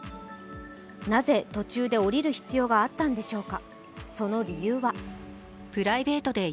なぜ途中で降りる必要があったんでしょうか。